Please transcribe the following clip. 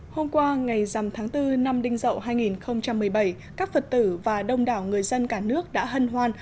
hôm qua ngày dằm tháng bốn năm đinh dậu hai nghìn một mươi bảy các phật tử và đông đảo người dân cả nước đã hân hoan